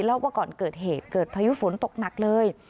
ว่าก่อนเกิดเหตุเกิดพายุฝนตกหนักเลย